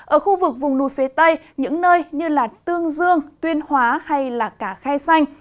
ở khu vực vùng lùi phía tây những nơi như tương dương tuyên hóa hay là cả khai xanh